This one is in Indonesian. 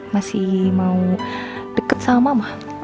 masih mau deket sama mah